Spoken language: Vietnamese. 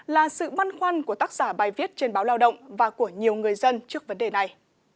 là sự băn khoăn của tác giả bài viết trên báo lao động và của nhiều người dân trước vấn đề này